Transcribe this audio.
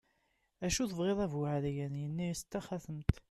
acu tebɣiḍ a bu ɛeryan, yenna-as d taxatemt